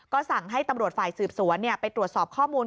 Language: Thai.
ก็สั่งให้ตำรวจฝ่ายสืบสวนไปตรวจสอบข้อมูล